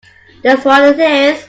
That’s what it is!